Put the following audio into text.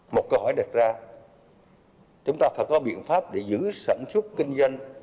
một câu hỏi đặt ra chúng ta phải có biện pháp để giữ sản xuất kinh doanh